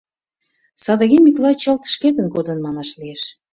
Садыге Миклай чылт шкетын кодын манаш лиеш.